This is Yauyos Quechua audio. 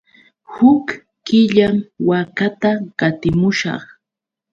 Huk killam waakata qatimushaq.